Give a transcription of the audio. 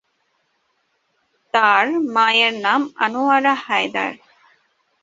তার মায়ের নাম আনোয়ারা হায়দার।